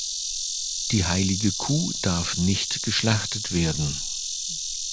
Die heilige Kuh darf nicht geschlachtet werden.